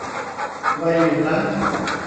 ไวอยู่นะ